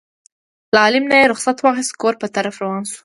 له عالم نه یې رخصت واخیست کور په طرف روان شو.